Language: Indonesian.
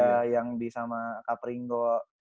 ya yang di sama kak feringo